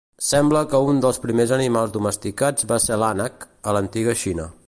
Sembla que un dels primers animals domesticats va ser l'ànec, a l'antiga Xina.